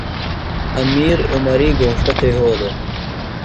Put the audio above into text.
امیر عمری گھوݜٹہ تھےۡ یھولوۡ۔